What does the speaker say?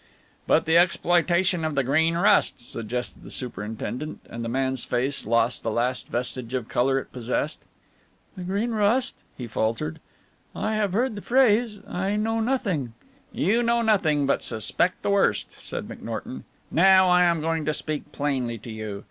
"But the exploitation of Green Rust?" suggested the superintendent, and the man's face lost the last vestige of colour it possessed. "The Green Rust?" he faltered. "I have heard the phrase. I know nothing " "You know nothing, but suspect the worst," said McNorton. "Now I am going to speak plainly to you.